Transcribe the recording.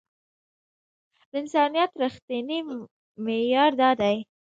د انسانيت رښتينی معيار دا دی.